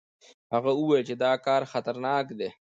هغه ویل چې دا کار خطرناک دی.